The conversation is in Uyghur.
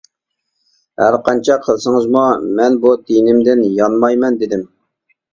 ھەر قانچە قىلسىڭىزمۇ مەن بۇ دىنىمدىن يانمايمەن، — دېدىم.